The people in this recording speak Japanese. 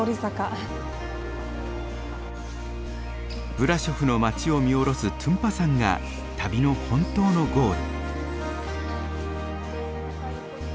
ブラショフの街を見下ろすトゥンパ山が旅の本当のゴール。